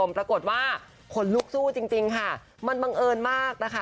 ปรากฏว่าคนลูกสู้จริงมันบังเอิญมาก